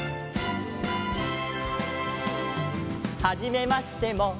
「はじめましても」